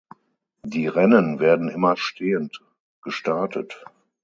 Die Rennen werden immer stehend gestartet.